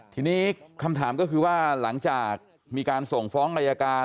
ทีนี้คำถามก็คือว่าหลังจากมีการส่งฟ้องอายการ